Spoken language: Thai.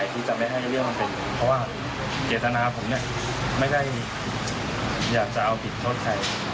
เพราะว่าเกษณะผมไม่ได้อยากจะเอาผิดทดใคร